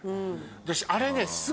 私あれね。